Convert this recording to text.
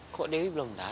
kok dewi belum datang ya